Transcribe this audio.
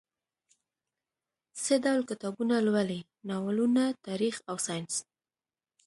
څه ډول کتابونه لولئ؟ ناولونه، تاریخ او ساینس